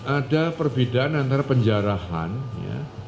ada perbedaan antara penjarahan